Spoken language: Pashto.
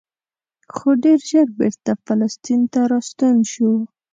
خو ډېر ژر بېرته فلسطین ته راستون شو.